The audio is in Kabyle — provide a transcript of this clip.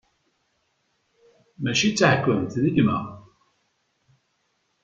Mačči d taɛkemt, d gma!